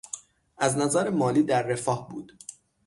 از نظر مالی در رفاه بود.